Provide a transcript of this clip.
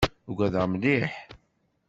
Ugadeɣ mliḥ.